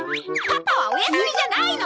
パパはお休みじゃないの！